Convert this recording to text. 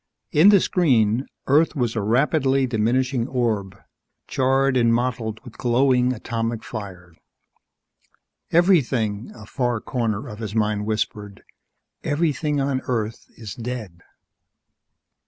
In the screen, Earth was a rapidly diminishing orb, charred and mottled with glowing atomic fires. Everything, a far corner of his mind whispered. _Everything on Earth is dead!